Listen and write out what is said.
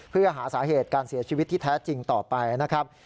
เพื่อหาสาเหตุการเสียชีวิตที่แท้จริงต่อไปนะครับ